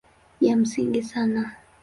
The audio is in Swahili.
Ya msingi sana